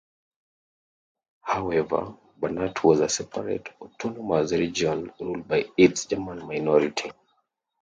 However, Banat was a separate autonomous region ruled by its German minority.